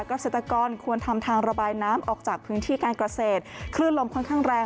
เกษตรกรควรทำทางระบายน้ำออกจากพื้นที่การเกษตรคลื่นลมค่อนข้างแรง